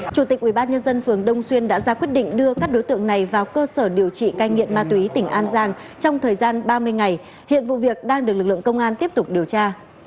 chủ tịch ubnd phường đông xuyên đã ra quyết định đưa các đối tượng này vào cơ sở điều trị cai nghiện ma túy tỉnh an giang trong thời gian ba mươi ngày hiện vụ việc đang được lực lượng công an tiếp tục điều tra